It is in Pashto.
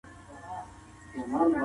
تاسو د کیلې په خوړلو اخته یاست.